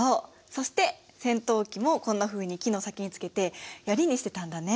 そして尖頭器もこんなふうに木の先につけてヤリにしてたんだね。